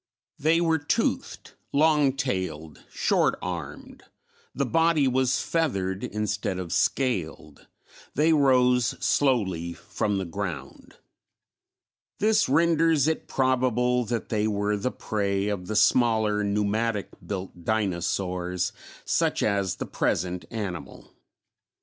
They were toothed, long tailed, short armed, the body was feathered instead of scaled; they rose slowly from the ground. This renders it probable that they were the prey of the smaller pneumatic built dinosaurs such as the present animal.